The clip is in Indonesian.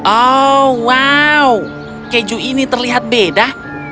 oh wow keju ini terlihat beda